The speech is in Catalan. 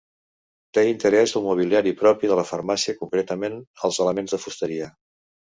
Té interès el mobiliari propi de la farmàcia, concretament els elements de fusteria.